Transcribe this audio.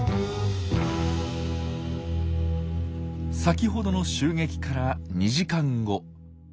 先ほどの襲撃から２時間後。